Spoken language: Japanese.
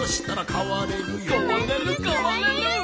かわれるかわれる！